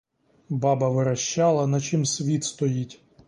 Баба верещала на чім світ стоїть.